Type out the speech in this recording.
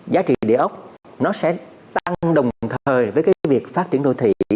giá trị địa ốc nó sẽ tăng đồng thời với cái việc phát triển đô thị